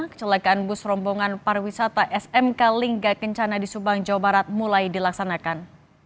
kecelakaan bus rombongan pariwisata smk lingga kencana di subang jawa barat mulai dilaksanakan